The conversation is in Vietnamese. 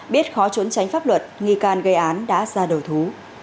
biết khó trốn tránh pháp luật nghi can gây án đã ra đầu thú